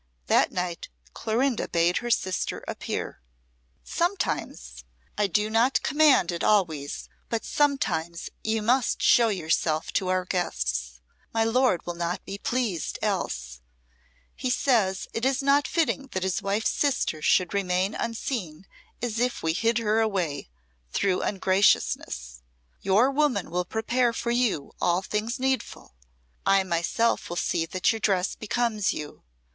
That night Clorinda bade her sister appear. "Sometimes I do not command it always but sometimes you must show yourself to our guests. My lord will not be pleased else. He says it is not fitting that his wife's sister should remain unseen as if we hid her away through ungraciousness. Your woman will prepare for you all things needful. I myself will see that your dress becomes you.